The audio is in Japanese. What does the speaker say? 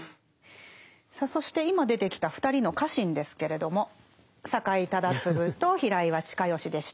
さあそして今出てきた２人の家臣ですけれども酒井忠次と平岩親吉でした。